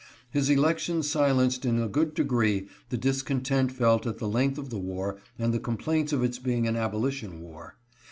His election silenced in a good degree the discontent felt at the length of the war and the complaints of its being an abolition war.